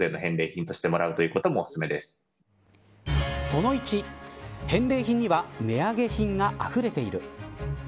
その１返礼品には値上げ品があふれている。